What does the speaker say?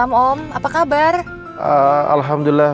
ini maksudnya rho meno juga